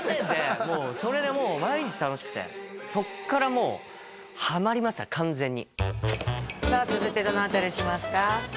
ってそれでもう毎日楽しくてそこからもうハマりました完全にさあ続いてどのあたりにしますか